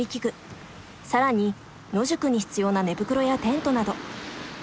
更に野宿に必要な寝袋やテントなど。